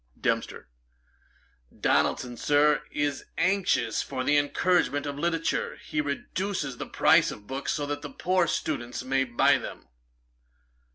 DEMPSTER. 'Donaldson, Sir, is anxious for the encouragement of literature. He reduces the price of books, so that poor students may buy them.'